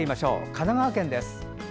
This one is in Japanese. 神奈川県です。